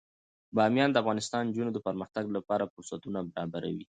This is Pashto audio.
بامیان د افغان نجونو د پرمختګ لپاره فرصتونه برابروي.